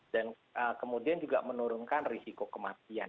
dan kemudian juga menurunkan risiko kematian